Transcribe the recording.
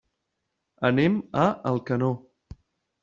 Anem a Alcanó.